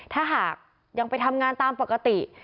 ถ้าหากยังไปทำงานตามปกติ